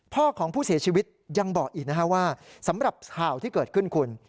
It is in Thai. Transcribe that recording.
พ่อของผู้เสียชีวิตยังบอกอีกนะฮะว่าสำหรับข่าวที่เกิดขึ้นคุณ